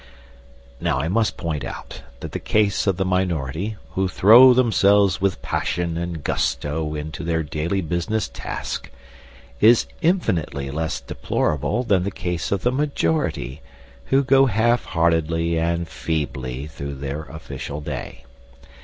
Now I must point out that the case of the minority, who throw themselves with passion and gusto into their daily business task, is infinitely less deplorable than the case of the majority, who go half heartedly and feebly through their official day.